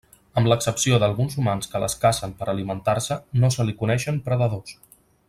Amb l'excepció d'alguns humans que les cacen per alimentar-se, no se li coneixen predadors.